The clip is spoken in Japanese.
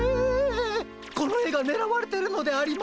この絵がねらわれてるのでありますか？